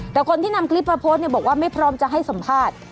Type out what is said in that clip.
แต่คนที่นำคลิปมาโพสต์บอกว่าไม่พร้อมจะให้สัมภาษณ์